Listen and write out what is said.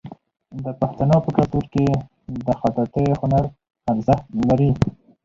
د پښتنو په کلتور کې د خطاطۍ هنر ارزښت لري.